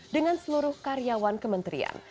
dengan seluruh karyawan kementerian